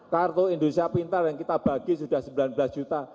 kartu indonesia pintar yang kita bagi sudah sembilan belas juta